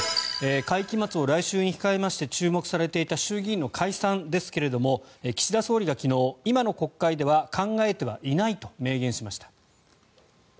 会期末を来週に控えまして注目されていました衆議院の解散ですけども岸田総理が昨日今の国会では考えてはいないと明言しました。